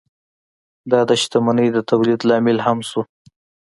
دا د شتمنۍ د تولید لامل هم شو.